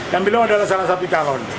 yang bila adalah salah sapi kalon